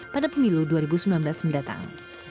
pada pemilu dua ribu sembilan belas mendatang